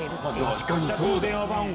確かにそうだ。